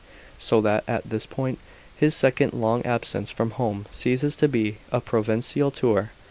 so that at this point his second long absence from Home ceases to be a provincial tour.